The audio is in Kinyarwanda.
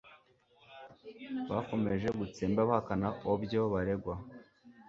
bakomeje gutsemba bahakana obyo baregwa